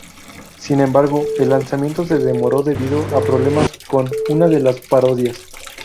Sin embargo, el lanzamiento se demoró debido a problemas con una de las parodias.